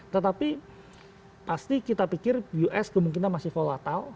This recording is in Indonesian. tetapi pasti kita pikir us kemungkinan masih volatile